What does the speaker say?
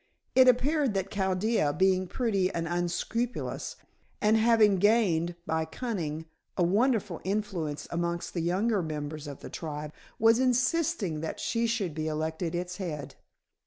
It appeared that Chaldea, being pretty and unscrupulous, and having gained, by cunning, a wonderful influence amongst the younger members of the tribe, was insisting that she should be elected its head.